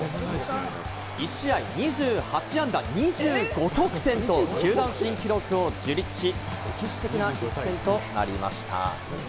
１試合２８安打２５得点と球団新記録を樹立し、歴史的な一戦となりました。